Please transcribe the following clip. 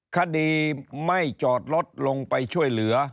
คดีไม่จอดรถลงไปช่วยเหลือ